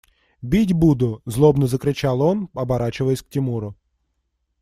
– Бить буду! – злобно закричал он, оборачиваясь к Тимуру.